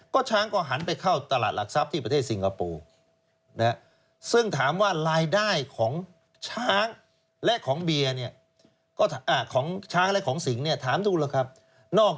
ก็ช้างก็หันไปเข้าตลาดหลักทรัพย์ที่ประเทศสิงคโปร์